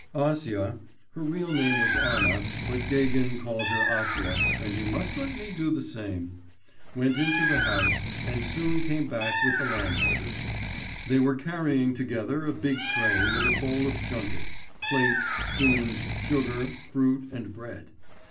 Acia (her real name was Anna, but Gagin called her Acia, and you must let me do the same), went into the house, and soon came back with the landlady. They were carrying together a big tray, with a bowl of junket, plates, spoons, sugar, fruit, and bread.